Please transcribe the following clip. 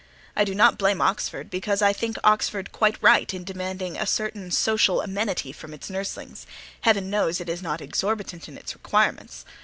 I do not blame Oxford, because I think Oxford is quite right in demanding a certain social amenity from its nurslings (heaven knows it is not exorbitant in its requirements!)